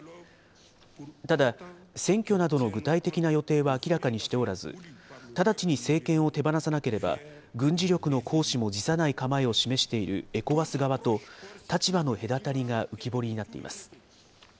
ただ、選挙などの具体的な予定は明らかにしておらず、直ちに政権を手放さなければ、軍事力の行使も辞さない構えを示しているＥＣＯＷＡＳ側と立場の隔たりが浮き彫りになっています。